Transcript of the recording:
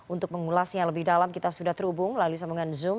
untuk mengulasnya lebih dalam kita sudah terhubung lalu sambungan zoom